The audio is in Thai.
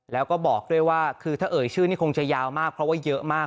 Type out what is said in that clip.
แล้วก็บอกด้วยว่าคือถ้าเอ่ยชื่อนี่คงจะยาวมากเพราะว่าเยอะมาก